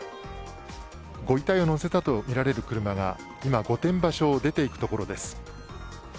ご遺体を乗せたとみられる車が今、御殿場署を出ていくところです